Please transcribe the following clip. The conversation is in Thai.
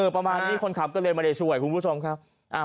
ประมาณนี้คนขับก็เลยไม่ได้ช่วยคุณผู้ชมครับ